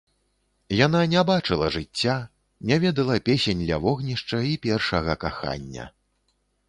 Яна не бачыла жыцця, не ведала песень ля вогнішча і першага кахання.